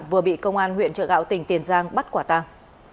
vừa bị công an huyện trợ gạo tỉnh tiền giang bắt quả tàng